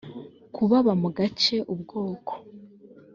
ku baba mu gace ubwoko